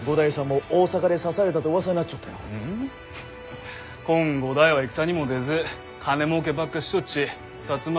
フッこん五代は戦にも出ず金もうけばっかしちょっち摩